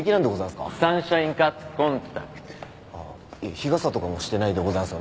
日傘とかもしてないでございますよね？